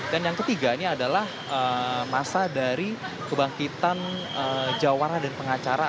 dan yang ketiga ini adalah masa dari kebangkitan jawara dan pengacara